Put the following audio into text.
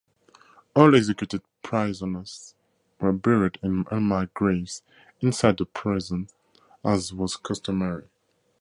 All executed prisoners were buried in unmarked graves inside the prison, as was customary.